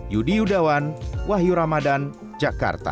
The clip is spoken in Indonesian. yudi yudawan wahyu ramadan jakarta